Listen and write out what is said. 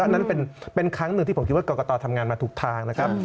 อันนั้นเป็นครั้งหนึ่งที่ผมคิดว่ากรกตทำงานมาถูกทางนะครับ